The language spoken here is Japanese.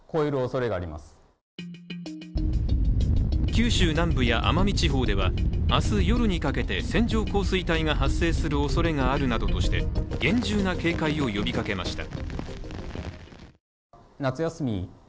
九州南部や奄美地方では明日夜にかけて線状降水帯が発生するおそれがあるなどとして厳重な警戒を呼びかけました。